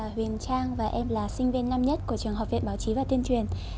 huyền trang và em là sinh viên năm nhất của trường học viện báo chí và tuyên truyền